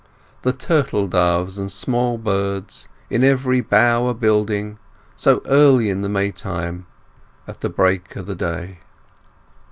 The turtle doves and sma' birds In every bough a building, So early in the May time At the break o' the day!